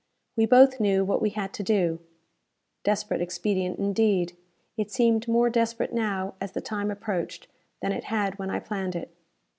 We both knew what we had to do. Desperate expedient, indeed! It seemed more desperate now as the time approached than it had when I planned it.